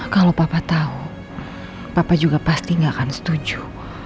kalau papa tahu papa juga pasti gak akan setuju